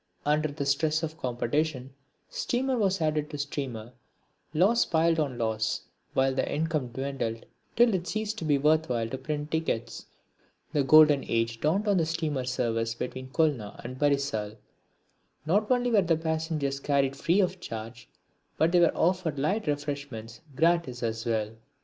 Under the stress of competition steamer was added to steamer, loss piled on loss, while the income dwindled till it ceased to be worth while to print tickets. The golden age dawned on the steamer service between Khulna and Barisal. Not only were the passengers carried free of charge, but they were offered light refreshments gratis as well!